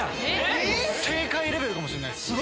正解レベルかもしれないです。